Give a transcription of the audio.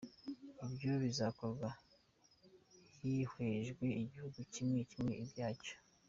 Ivyo bizokogwa hihwejwe igihugu kimwe kimwe ivyaco.